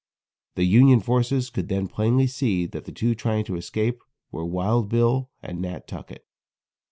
The Union forces could then plainly see that the two trying to escape were Wild Bill and Nat. Tuckett.